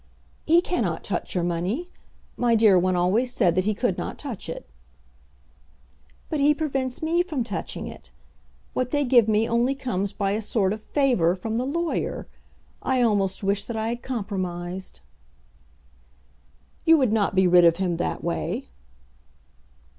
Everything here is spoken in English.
"He cannot touch your money. My dear one always said that he could not touch it." "But he prevents me from touching it. What they give me only comes by a sort of favour from the lawyer. I almost wish that I had compromised." "You would not be rid of him that way."